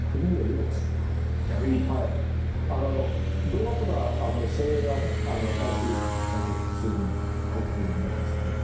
動画とか仕上げはね毎週ちゃんとそういうふうに入ってくれるようになってますけど。